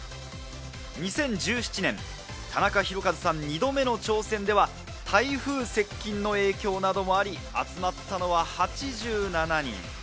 ２０１７年、タナカヒロカズさん、２度目の挑戦では、台風接近などの影響もあり、集まったのは８７人。